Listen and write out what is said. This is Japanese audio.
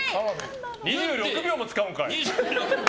２６秒も使うんかい。